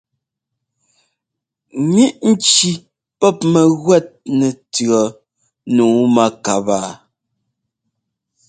Ŋíʼ nci pɔ́p mɛguɛt nɛtʉ̈ɔ nǔu mákabaa.